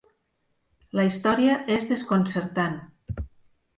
La història és desconcertant.